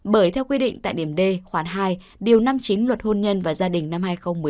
bởi theo quy định tại điểm d khoản hai điều năm mươi chín luật hôn nhân và gia đình năm hai nghìn một mươi năm